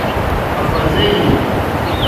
اپانݺی